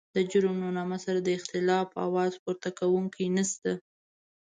د جرم له نامه سره د اختلاف اواز پورته کوونکی نشته.